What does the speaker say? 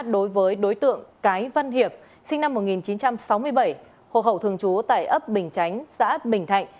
đối với đối tượng cái văn hiệp sinh năm một nghìn chín trăm sáu mươi bảy hộ khẩu thường trú tại ấp bình chánh xã bình thạnh